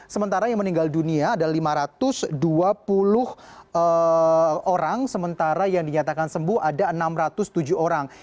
sementara yang meninggal dunia ada lima ratus dua puluh orang sementara yang dinyatakan sembuh ada enam ratus tujuh orang